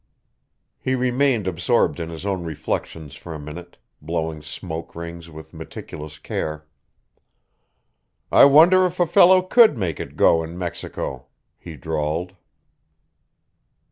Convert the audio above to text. He remained absorbed in his own reflections for a minute, blowing smoke rings with meticulous care. "I wonder if a fellow could make it go in Mexico?" he drawled.